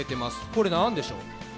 これ何でしょう？